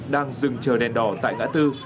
đang dừng chờ đèn đỏ tại gã tư